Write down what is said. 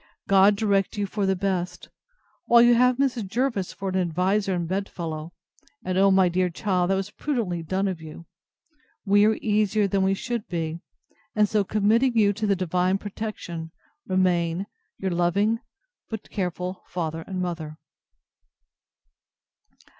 God direct you for the best! While you have Mrs. Jervis for an adviser and bed fellow, (and, O my dear child! that was prudently done of you,) we are easier than we should be; and so committing you to the divine protection, remain Your truly loving, but careful, FATHER and MOTHER.